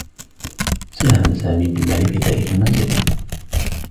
ساهم سامي بالمال في ذلك المنزل.